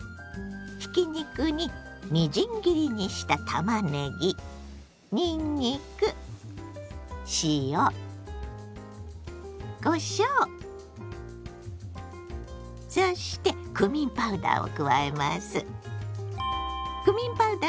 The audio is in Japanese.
ひき肉にみじん切りにしたたまねぎにんにく塩こしょうそしてクミンパウダーを加えます。